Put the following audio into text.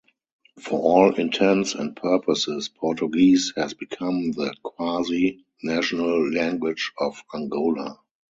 For all intents and purposes, Portuguese has become the quasi national language of Angola.